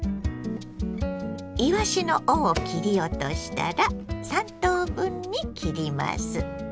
いわしの尾を切り落としたら３等分に切ります。